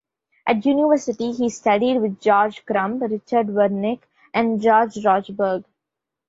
At university, he studied with George Crumb, Richard Wernick, and George Rochberg.